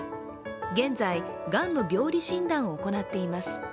現在、がんの病理診断を行っています。